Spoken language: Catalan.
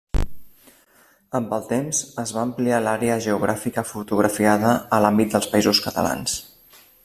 Amb el temps, es va ampliar l'àrea geogràfica fotografiada a l'àmbit dels Països Catalans.